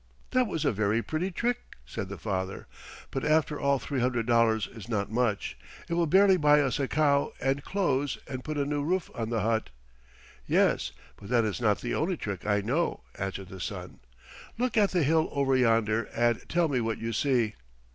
"That was a very pretty trick," said the father; "but after all three hundred dollars is not much. It will barely buy us a cow and clothes and put a new roof on the hut." "Yes, but that is not the only trick I know," answered the son. "Look at the hill over yonder and tell me what you see."